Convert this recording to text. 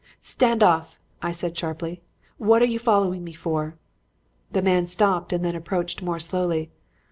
"'Stand off!' I said sharply. 'What are you following me for?' "The man stopped and then approached more slowly.